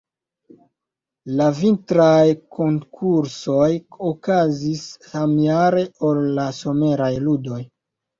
La vintraj konkursoj okazis samjare ol la someraj ludoj.